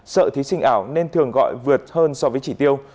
sợ thí sinh ảo nên thường gọi vượt hơn so với chỉ tiêu